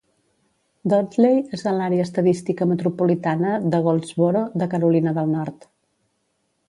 Dudley és a l'àrea estadística metropolitana de Goldsboro de Carolina del Nord.